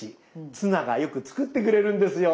「ツナ」がよく作ってくれるんですよ。